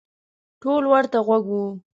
ټول ورته غوږ وو.